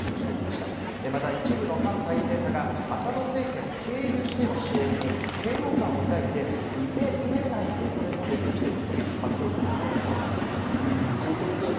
また一部の反体制派がアサド政権を経由しての支援に嫌悪感を抱いて、受け入れない恐れも出てきていると話しています。